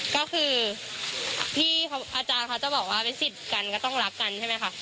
ก็คือพี่อาจารย์เขาจะบอกว่าเป็นสิทธิ์กันก็ต้องรักกันใช่ไหมคะ